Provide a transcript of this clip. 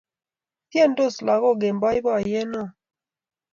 Tiendos lagok eng boiboiyet neo